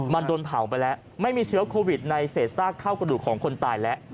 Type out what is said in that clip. มันโดนเผาไปแล้วไม่มีเชื้อโควิดในเศษซากเท่ากระดูกของคนตายแล้ว